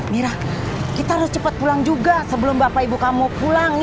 mirah kita harus cepet pulang juga sebelum bapak ibu kamu pulang ya